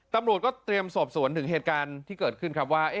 ตำรวจก็เตรียมสอบสวนถึงเหตุการณ์ที่เกิดขึ้นครับว่า